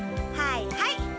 はいはい。